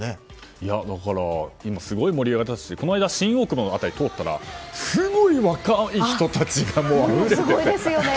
すごい盛り上がりですしこの間新大久保の辺りを通ったらすごい、若い人たちがあふれてて。